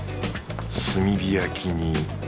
炭火焼きに。